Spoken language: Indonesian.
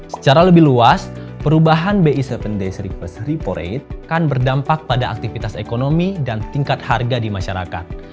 secara lebih luas perubahan bi tujuh days reverse repo rate akan berdampak pada aktivitas ekonomi dan tingkat harga di masyarakat